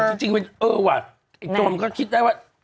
โฉนดจริงเออว่ะไอ้โจมก็คิดได้ว่า